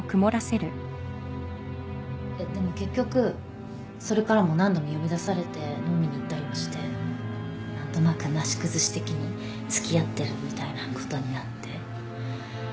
でも結局それからも何度も呼び出されて飲みに行ったりもして何となくなし崩し的に付き合ってるみたいなことになって。